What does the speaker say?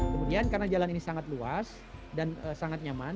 kemudian karena jalan ini sangat luas dan sangat nyaman